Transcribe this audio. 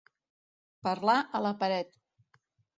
Parlar a la paret.